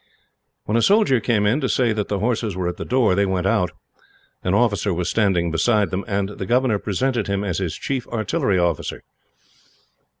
When a soldier came in, to say that the horses were at the door, they went out. An officer was standing beside them, and the governor presented him as his chief artillery officer.